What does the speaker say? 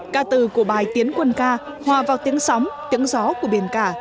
ca từ của bài tiến quân ca hòa vào tiếng sóng tiếng gió của biển cả